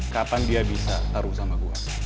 kapan dia bisa taruh sama gua